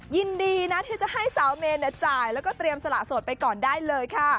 ยินดีนะที่จะให้สาวเมนจ่ายแล้วก็เตรียมสละสดไปก่อนได้เลยค่ะ